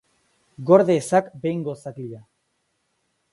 Gorde ezak behingoz zakila